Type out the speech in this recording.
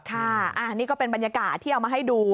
ค่ะอันนี้ก็เป็นบรรยากาศที่เอามาให้ดู